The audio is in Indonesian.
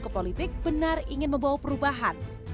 ke politik benar ingin membawa perubahan